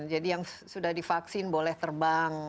yang sudah divaksin boleh terbang